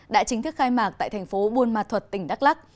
đã chính thức khai mạc tại thành phố buôn ma thuật tỉnh đắk lắc